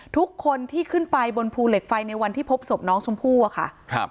ทุกคนที่ขึ้นไปบนภูเหล็กไฟในวันที่พบศพน้องชมพู่อะค่ะครับ